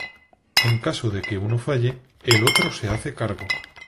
En caso de que uno falle el otro se hace cargo.